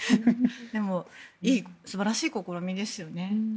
でも素晴らしい試みですよね。